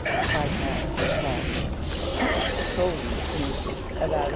cried Master Salter. "I' told'ee, missus, about un.